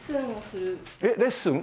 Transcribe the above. えっレッスン？